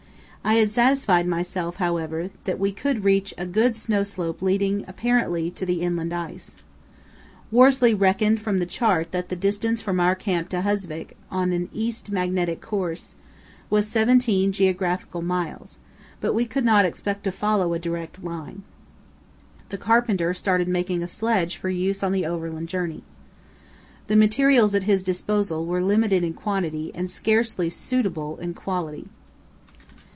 I had satisfied myself, however, that we could reach a good snow slope leading apparently to the inland ice. Worsley reckoned from the chart that the distance from our camp to Husvik, on an east magnetic course, was seventeen geographical miles, but we could not expect to follow a direct line. The carpenter started making a sledge for use on the overland journey. The materials at his disposal were limited in quantity and scarcely suitable in quality.